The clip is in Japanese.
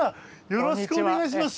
よろしくお願いします。